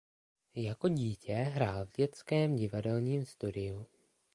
Jako dítě hrál v Dětském divadelním studiu.